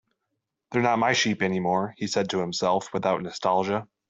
"They're not my sheep anymore," he said to himself, without nostalgia.